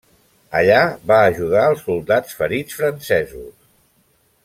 Allà va ajudar els soldats ferits francesos.